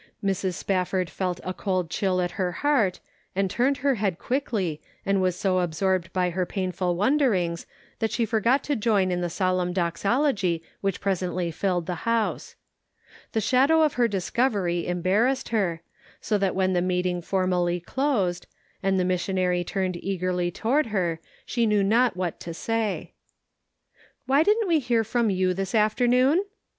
Mrs. Spafford felt a cold chill at her heart, and turned her head quickly, and was so absorbed by her painful wonderings that she forgot to join in the solemn doxology which presently filled the house. The shadow of her discovery embarrassed her, so that when the meeting for mally closed, and the missionary turned eagerly toward her, she knew not what to say. " Why didn't we hear from you this after noon